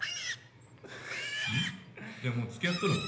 んっ？じゃあもう付き合っとるん？